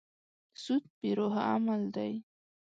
سود بې روحه عمل دی.